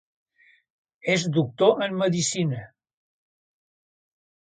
És doctor en medicina.